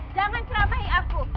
jangan seramai aku